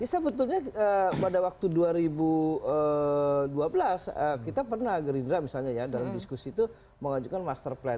sebetulnya pada waktu dua ribu dua belas kita pernah gerindra misalnya ya dalam diskusi itu mengajukan master plan